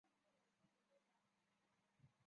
同时意大利政府派三艘战舰驶进中国海域。